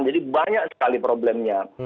jadi banyak sekali problemnya